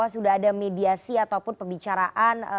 sudah ada mediasi ataupun pembicaraan